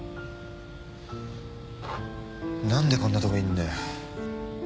何でこんなとこいんだよ。